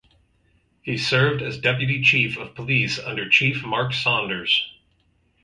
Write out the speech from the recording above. He served as Deputy Chief of Police under Chief Mark Saunders.